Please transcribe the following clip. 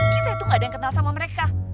kita itu gak ada yang kenal sama mereka